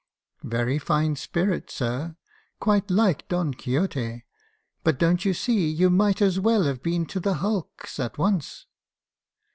"'Very fine spirit, sir, — quite like Don Quixote; but don't you see you might as well have been to the hulks at once?'